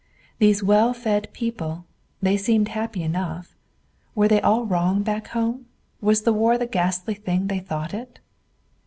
These well fed people they seemed happy enough. Were they all wrong back home? Was the war the ghastly thing they thought it?